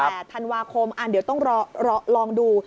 แต่ธันวาคมอ่ะเดี๋ยวต้องลองดู